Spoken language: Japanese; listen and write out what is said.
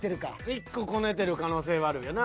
１個こねてる可能性はあるんやな。